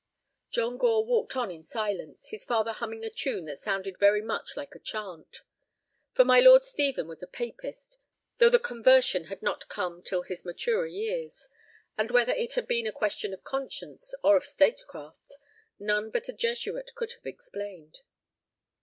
John Gore walked on in silence, his father humming a tune that sounded very much like a chant. For my Lord Stephen was a papist, though the conversion had not come till his maturer years, and whether it had been a question of conscience or of statecraft none but a Jesuit could have explained.